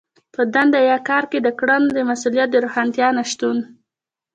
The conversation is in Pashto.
په دنده يا کار کې د کړنو د مسوليت د روښانتيا نشتون.